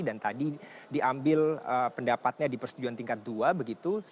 dan tadi diambil pendapatnya di persetujuan tingkat dua